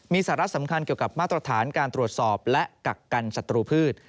มีสาระสำคัญเกี่ยวกับมาตรฐานการตรวจสอบและกักกันศัตรูพืช